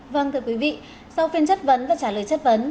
vâng thưa quý vị sau phiên chất vấn và trả lời chất vấn